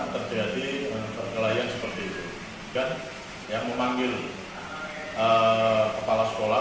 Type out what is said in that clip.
terjadi perkelahian seperti itu dan yang memanggil kepala sekolah